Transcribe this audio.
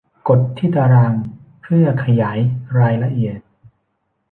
กดที่ตารางเพื่อขยายรายละเอียด